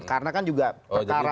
karena kan juga perkara